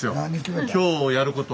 今日やること。